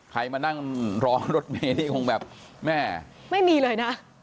ใครมานั่งรอรถเมย์นี่คงแบบแม่ไม่มีเลยนะ